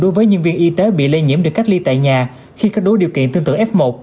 đối với nhân viên y tế bị lây nhiễm được cách ly tại nhà khi có đủ điều kiện tương tự f một